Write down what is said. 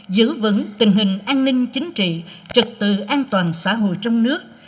giữ vững tình hình an ninh chính trị trật tự an toàn xã hội trong nước